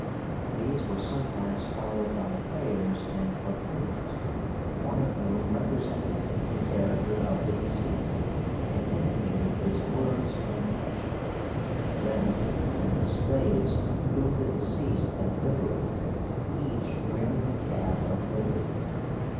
These were sometimes followed by players and buffoons, one of whom represented the character of the deceased, and imitated his words and actions. Then came the slaves whom the deceased had liberated, each wearing the cap of liberty.